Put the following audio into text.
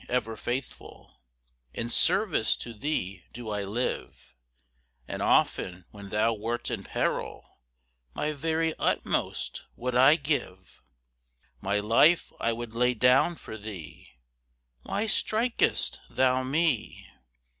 Ever faithful In service to thee do I live; And often when thou wert in peril My very utmost would I give; My life I would lay down for thee! Why strik'st thou me?